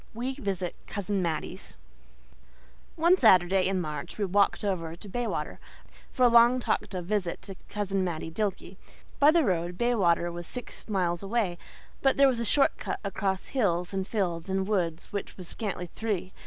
WE VISIT COUSIN MATTIE'S One Saturday in March we walked over to Baywater, for a long talked of visit to Cousin Mattie Dilke. By the road, Baywater was six miles away, but there was a short cut across hills and fields and woods which was scantly three.